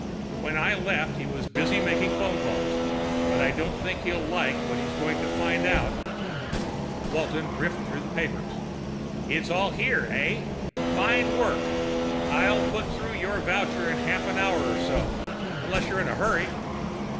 When I left he was busy making phone calls, but I don't think he'll like what he's going to find out." Walton riffled through the papers. "It's all here, eh? Fine work. I'll put through your voucher in half an hour or so, unless you're in a hurry."